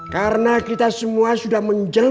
karena kita semua sudah menjema